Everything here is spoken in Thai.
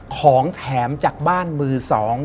ของแถมจากบ้านมือสอง